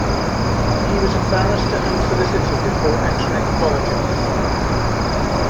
He was a barrister and solicitor before entering politics.